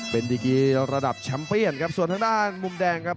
เป็นดีกีระดับแชมป์เปียนครับส่วนทางด้านมุมแดงครับ